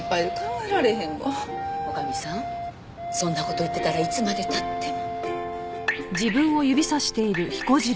女将さんそんな事言ってたらいつまで経っても。